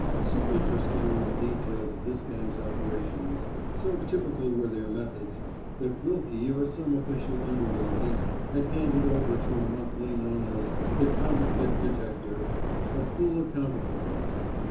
So interesting were the details of this gang's operations, so typical were their methods, that Wilkie or some official under Wilkie had handed over to a monthly known as The Counterfeit Detector a full account of the case.